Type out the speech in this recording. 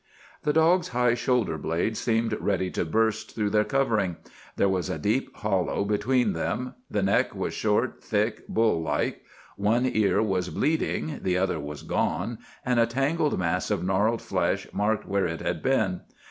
The dog's high shoulder blades seemed ready to burst through their covering; there was a deep hollow between them. The neck was short, thick, bull like. One ear was bleeding—the other was gone, and a tangled mass of gnarled flesh marked where it had been.